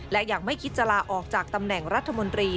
และยังไม่คิดจะลาออกจากตำแหน่งรัฐมนตรี